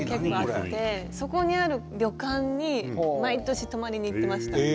そこにある旅館に毎年泊まりに行ってました。